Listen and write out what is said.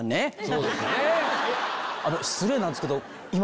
失礼なんですけど。